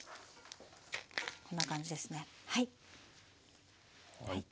こんな感じですねはい。